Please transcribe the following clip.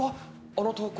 あの投稿